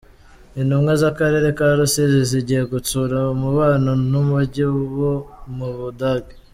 Intumwa z’Akarere ka Rusizi zagiye gutsura umubano n’Umujyi wo Mubudage